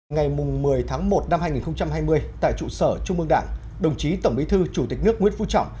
ngày một mươi tháng một năm hai nghìn hai mươi tại trụ sở trung mương đảng đồng chí tổng bí thư chủ tịch nước nguyễn phú trọng